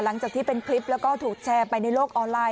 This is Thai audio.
หลังจากที่เป็นคลิปแล้วก็ถูกแชร์ไปในโลกออนไลน